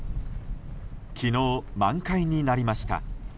昨日、満開になりました。